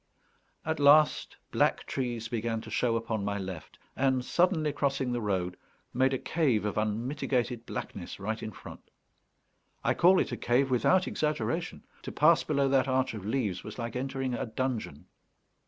At last black trees began to show upon my left, and, suddenly crossing the road, made a cave of unmitigated blackness right in front. I call it a cave without exaggeration; to pass below that arch of leaves was like entering a dungeon.